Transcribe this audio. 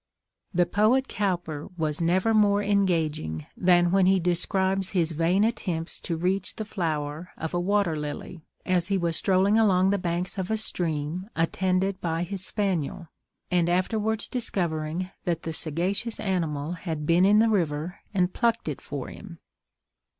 The poet Cowper was never more engaging than when he describes his vain attempts to reach the flower of a water lily, as he was strolling along the banks of a stream attended by his spaniel, and afterwards discovering that the sagacious animal had been in the river and plucked it for him.